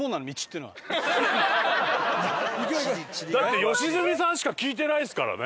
だって良純さんしか聞いてないっすからね！